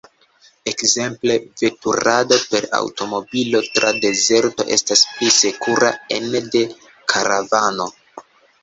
Ekzemple veturado per aŭtomobilo tra dezerto estas pli sekura ene de karavano.